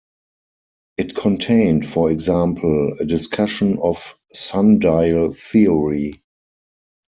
It contained, for example, a discussion of sundial theory.